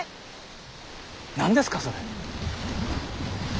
何ですかそれ。